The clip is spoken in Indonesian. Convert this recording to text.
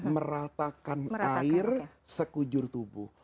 meratakan air sekujur tubuh